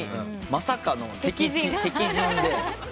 まさかの敵陣で。